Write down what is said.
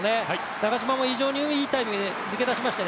中嶋も非常にいいタイミングで抜け出しましたね